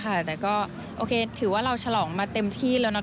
ไม่ได้เลยค่ะแต่ก็โอเคถือว่าเราฉลองมาเต็มที่แล้วน่ะ